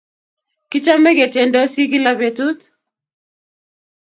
Kichame ketyendosi kila petut